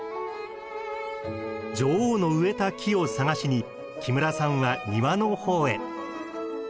女王の植えた木を探しに木村さんは庭の方へ。